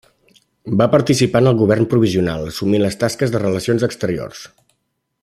Va participar en el Govern provisional, assumint les tasques de Relacions Exteriors.